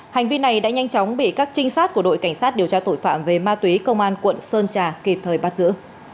hành vi này đã nhanh chóng bị các trinh sát của đội cảnh sát điều tra tội phạm về ma túy công an quận sơn trà kịp thời bắt giữ